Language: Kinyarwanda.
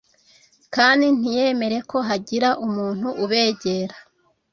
kandi ntiyemere ko hagira umuntu ubegera.